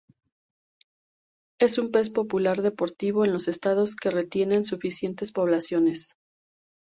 Es un pez popular deportivo, en los Estados que retienen suficientes poblaciones.